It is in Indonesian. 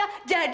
aku mau ngajak